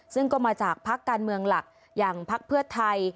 ซึ่งก็มาจากพักการเมืองหลักอย่างพักเพื่อไทย